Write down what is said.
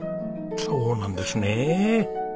そうなんですねえ。